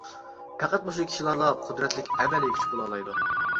پەقەت مۇشۇ كىشىلەرلا قۇدرەتلىك ئەمەلىي كۈچ بولالايدۇ.